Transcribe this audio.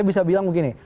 kalau bilang begini